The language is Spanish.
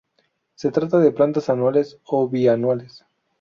Se trata de plantas anuales o bi-anuales.